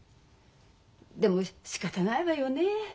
でもしかたないわよねえ。